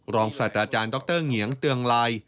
รองศัตริย์อาจารย์ดรเงี๋ยงเตืองลาย